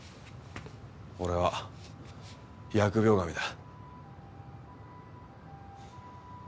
俺は疫病神だ。